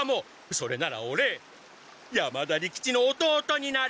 それならオレ山田利吉の弟になる！